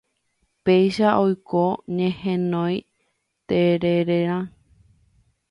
Péicha oiko ñehenói terererã